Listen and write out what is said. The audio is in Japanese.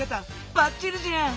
ばっちりじゃん！